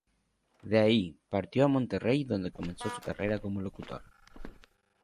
De ahí, partió a Monterrey, donde comenzó su carrera como locutor.